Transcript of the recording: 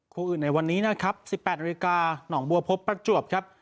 ครูอื่นในวันนี้นะครับสิบแปดนาทีนาทีหนองบัวพบประจวบครับ